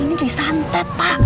ini disantet pak